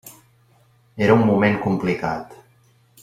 Era un moment complicat.